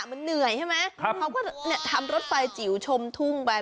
มันเหนื่อยใช่ไหมเขาก็ทำรถไฟจิ๋วชมทุ่งไป